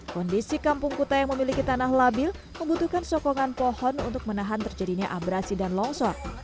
kondisi kampung kuta yang memiliki tanah labil membutuhkan sokongan pohon untuk menahan terjadinya abrasi dan longsor